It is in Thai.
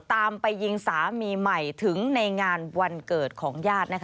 ตามไปยิงสามีใหม่ถึงในงานวันเกิดของญาติ